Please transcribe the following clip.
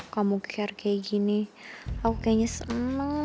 kamu kiar kayak gini aku kayaknya seneng banget